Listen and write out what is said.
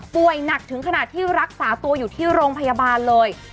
หนักถึงขนาดที่รักษาตัวอยู่ที่โรงพยาบาลเลย